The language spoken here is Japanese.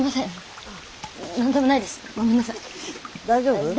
大丈夫？